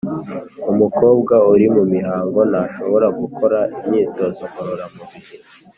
umukobwa uri mu mihango ntashobora gukora imyitozo ngororamubiri